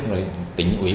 rồi tỉnh uyên